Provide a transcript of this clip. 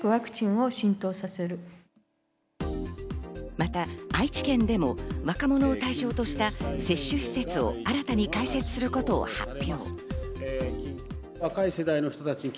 また愛知県でも若者を対象とした接種施設を新たに開設することを発表。